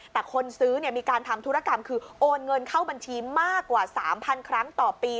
แต่คนซื้อมีการทำธุรกรรมคือโอนเงินเข้าบัญชีมากกว่า๓๐๐ครั้งต่อปี